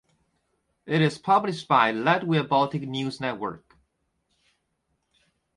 It is published by "Latvia Baltic News Network".